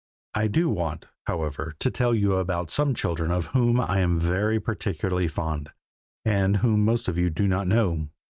I do want, however, to tell you about some children of whom I am very particularly fond, and whom most of you do not know.